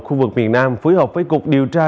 khu vực miền nam phối hợp với cục điều tra